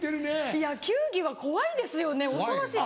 いや球技は怖いですよね恐ろしい。